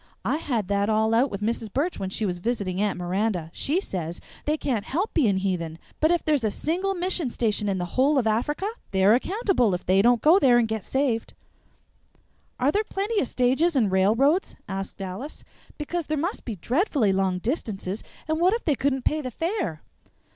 "I had that all out with Mrs. Burch when she was visiting Aunt Miranda. She says they can't help being heathen, but if there's a single mission station in the whole of Africa, they're accountable if they don't go there and get saved." "Are there plenty of stages and railroads?" asked Alice; "because there must be dreadfully long distances, and what if they couldn't pay the fare?"